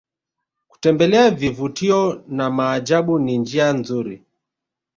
kutembelea vivutio na maajabu ni njia nzuri